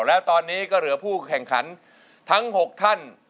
แล้วตอนนี้ก็เหลือผู้แข่งขันทั้ง๖ท่าน